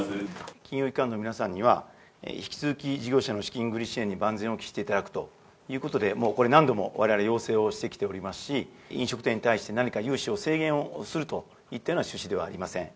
金融機関の皆さんには、引き続き、事業者の資金繰り支援に万全を期していただくということで、これ、何度もわれわれ、要請をしてきておりますし、飲食店に対して何か融資を制限をするといったような趣旨ではありません。